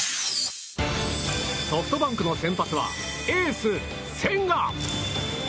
ソフトバンクの先発はエース、千賀。